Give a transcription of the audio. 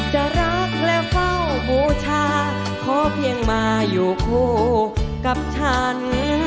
จะรักและเฝ้าบูชาขอเพียงมาอยู่คู่กับฉัน